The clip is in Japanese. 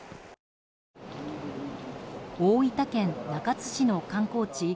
大分県中津市の観光地